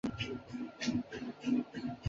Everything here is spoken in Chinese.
列传有二十二卷。